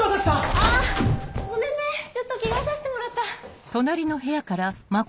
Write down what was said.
あっごめんねちょっと着替えさしてもらった。